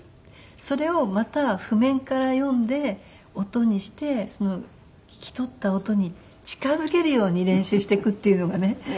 それをまた譜面から読んで音にして聴き取った音に近付けるように練習していくっていうのがね。